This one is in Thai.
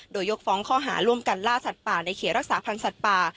โดยยกฟ้องข้อหาร่วมกันล่าสัตว์ป่าในเขตรักษาพันธ์สัตว์ป่า